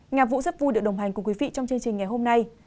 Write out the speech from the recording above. nhà vũ rất vui được đồng hành cùng quý vị trong chương trình ngày hôm nay